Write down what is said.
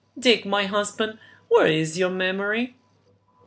Dick, my husband, where is your memory?"